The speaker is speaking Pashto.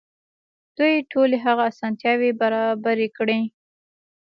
دوی ټولې هغه اسانتياوې برابرې کړې.